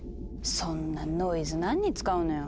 そんなノイズ何に使うのよ。